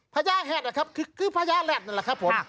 พญาแฮดคือพญาแรดนั่นแหละครับ